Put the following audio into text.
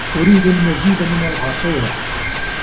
أريد المزيد من العصير.